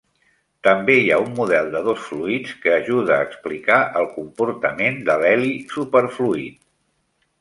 També hi ha un model de dos fluïts que ajuda a explicar el comportament de l'heli superfluid.